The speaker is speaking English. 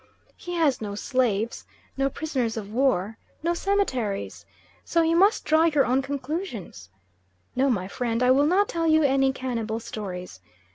He has no slaves, no prisoners of war, no cemeteries, so you must draw your own conclusions. No, my friend, I will not tell you any cannibal stories.